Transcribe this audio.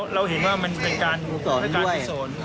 เราเห็นว่ามันเป็นการพิโสน